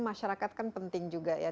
masyarakat kan penting juga ya